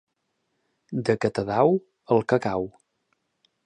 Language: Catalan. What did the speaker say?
De Catadau, el cacau.